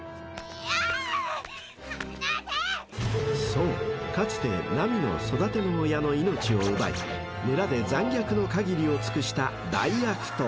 ［そうかつてナミの育ての親の命を奪い村で残虐の限りを尽くした大悪党］